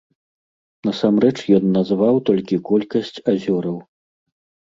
Насамрэч ён назваў толькі колькасць азёраў.